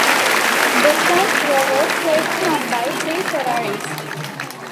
The front row was taken up by three Ferraris.